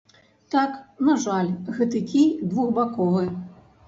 Так, на жаль, гэты кій двухбаковы.